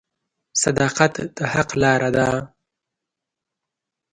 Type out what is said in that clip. • صداقت د حق لاره ده.